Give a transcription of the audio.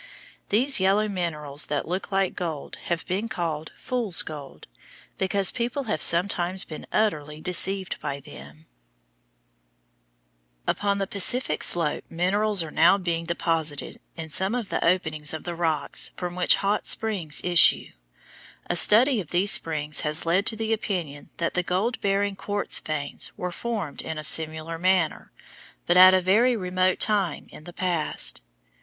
These yellow minerals that look like gold have been called "fools' gold" because people have sometimes been utterly deceived by them. [Illustration: FIG. 99. A GOLD SILVER MINE Summit of San Juan Range, Colorado] Upon the Pacific slope minerals are now being deposited in some of the openings of the rocks from which hot springs issue. A study of these springs has led to the opinion that the gold bearing quartz veins were formed in a similar manner, but at a very remote time in the past.